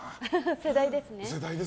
世代です。